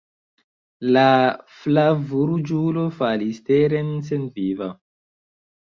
La flavruĝulo falis teren senviva.